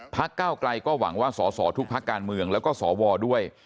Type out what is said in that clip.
ก้าวไกลก็หวังว่าสอสอทุกพักการเมืองแล้วก็สวด้วย